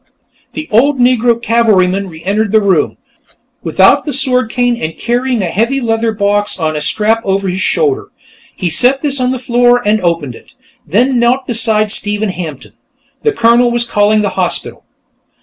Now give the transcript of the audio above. The old Negro cavalryman re entered the room, without the sword cane and carrying a heavy leather box on a strap over his shoulder. He set this on the floor and opened it, then knelt beside Stephen Hampton. The Colonel was calling the hospital.